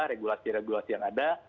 regulasi regulasi yang ada